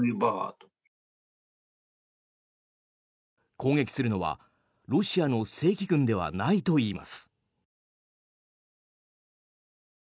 攻撃するのはロシアの正規軍ではないといいます。